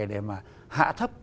để mà hạ thấp